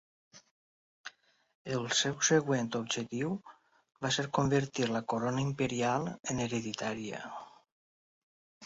El seu següent objectiu va ser convertir la corona imperial en hereditària.